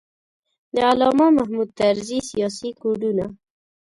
د علامه محمود طرزي سیاسي کوډونه.